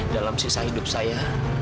dalam sisa hidup saya